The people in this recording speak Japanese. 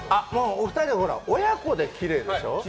お二人、親子できれいでしょ。